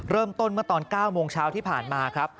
เริ่มต้นเมื่อตอน๙โมงเช้าที่ผ่านมาครับ